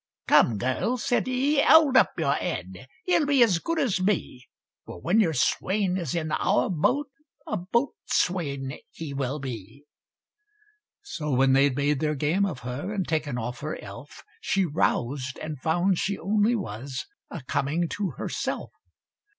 "Come, girl," said he, "hold up your head, He'll be as good as me; For when your swain is in our boat, A boatswain he will be." So when they'd made their game of her, And taken off her elf, She roused, and found she only was A coming to herself.